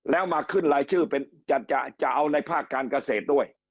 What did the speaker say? แล้วมาขึ้นรายชื่อเป็นจะเอาในภาคการเกษตรด้วย